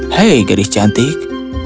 hei gadis cantik